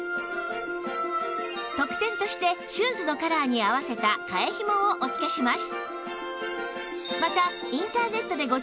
特典としてシューズのカラーに合わせた替えひもをお付けします